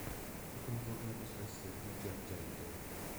Alcune forme possono essere grigie argentee.